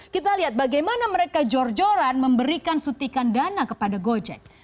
kita lihat bagaimana mereka jor joran memberikan sutikan dana kepada gojek